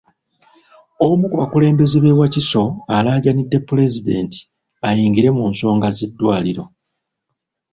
Omu ku bakulembeze b'e Wakiso alaajanidde Pulezidenti ayingire mu nsonga z'eddwaliro.